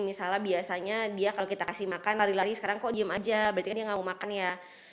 misalnya biasanya dia kalau kita kasih makan lari lari sekarang kok diem aja berarti kan dia nggak mau makan ya